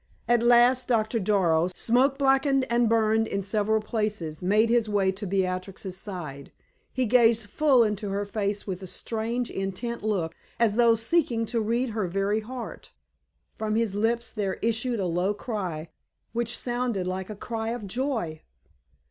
At last Doctor Darrow, smoke blackened and burned in several places, made his way to Beatrix's side. He gazed full into her face with a strange, intent look, as though seeking to read her very heart. From his lips there issued a low cry, which sounded like a cry of joy.